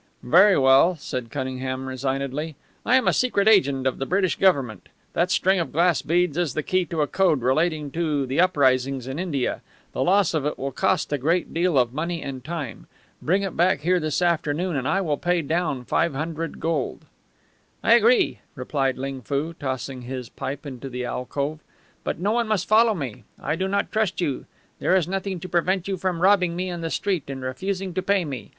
"Very well," said Cunningham, resignedly. "I am a secret agent of the British Government. That string of glass beads is the key to a code relating to the uprisings in India. The loss of it will cost a great deal of money and time. Bring it back here this afternoon, and I will pay down five hundred gold." "I agree," replied Ling Foo, tossing his pipe into the alcove. "But no one must follow me. I do not trust you. There is nothing to prevent you from robbing me in the street and refusing to pay me.